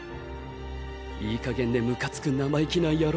いいかげんでムカつく生意気なヤローに。